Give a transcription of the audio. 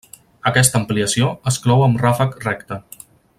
Aquesta ampliació es clou amb ràfec recte.